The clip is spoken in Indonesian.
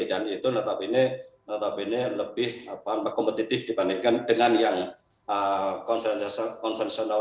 dan itu tetap ini tetap ini lebih apaan kompetitif dibandingkan dengan yang konsentrasi konvensional